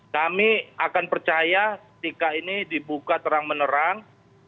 kami akan percaya ketika ini dibuka terang menerang